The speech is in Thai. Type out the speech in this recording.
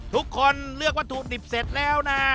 ทุกคนเลือกวัตถุดิบเสร็จแล้วนะ